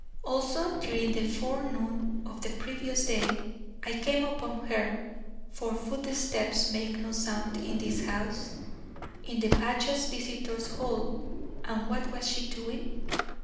Also, during the forenoon of the previous day, I came upon her for footsteps make no sound in this house in the pacha's visitors' hall: and what was she doing?